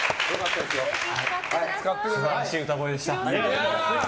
素晴らしい歌声でした。